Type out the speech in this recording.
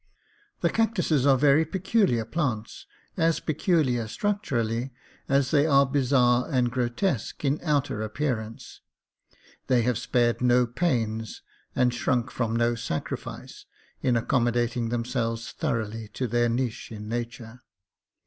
The cactuses are very peculiar plants — as peculiar structurally as they are bizarre and grotesque in outer appearance. They have spared no pains and shrunk from no sacrifice in accommodating themselves thoroughly to their niche in nature.